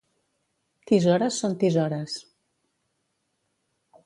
Tisores són tisores.